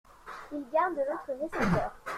Il garde l’autre récepteur.